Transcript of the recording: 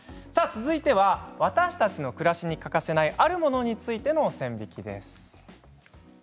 続いては私たちの暮らしに欠かせない、あるものについての線引きです。